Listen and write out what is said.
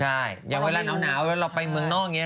ใช่อย่างเวลาหนาวเราไปเมืองนอกอย่างเงี้ยนะ